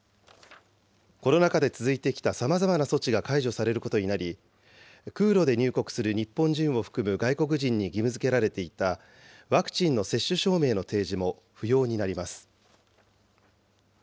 コロナ禍で続いてきたさまざまな措置が解除されることになり、空路で入国する日本人を含む外国人に義務づけられていたワクチンの接種証明の提示も不要になります。